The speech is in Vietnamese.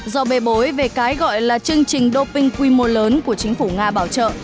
do bê bối về cái gọi là chương trình doping quy mô lớn của chính phủ nga bảo trợ